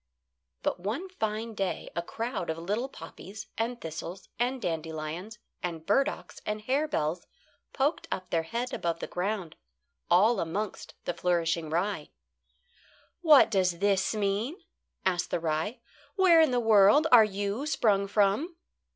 But one fine day a crowd of little poppies, and thistles and dandelions, and burdocks and harebells poked up their heads above ground, all amongst the flourishing rye. "What does this mean?" asked the rye. "Where in the world are you sprung from?"